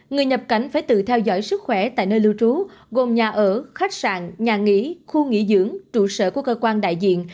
người nhập cảnh phải tự theo dõi sức khỏe tại nơi lưu trú gồm nhà ở khách sạn nhà nghỉ khu nghỉ dưỡng trụ sở của cơ quan đại diện